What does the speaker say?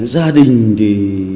gia đình thì